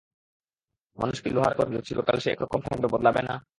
মানুষ কি লোহার গড়া যে চিরকাল সে একরকম থাকবে, বদলাবে না?